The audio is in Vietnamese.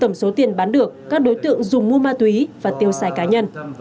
tổng số tiền bán được các đối tượng dùng mua ma túy và tiêu xài cá nhân